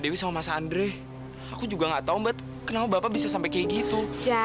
dewi sama mas andre aku juga gak tau mbak kenapa bapak bisa sampai kayak gitu